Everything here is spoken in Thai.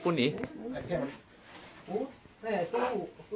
อุ๊ดเฮ้ยสู้